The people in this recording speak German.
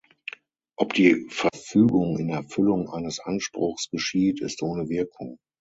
Ob die Verfügung in Erfüllung eines Anspruchs geschieht, ist ohne Wirkung.